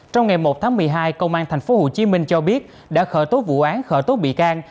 trong ngày một tháng một mươi hai công an tp hcm cho biết đã khởi tố vụ án khởi tố bị can